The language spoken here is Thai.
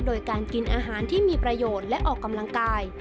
โดยการกินอาหารที่มีประโยชน์และออกกำลังกาย